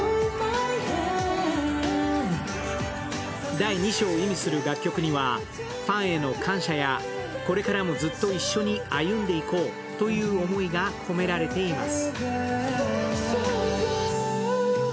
第２章を意味する楽曲にはファンへの感謝やこれからもずっと一緒に歩んでいこうという思いが込められています。